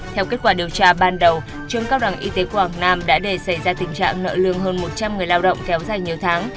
theo kết quả điều tra ban đầu trường cao đẳng y tế quảng nam đã để xảy ra tình trạng nợ lương hơn một trăm linh người lao động kéo dài nhiều tháng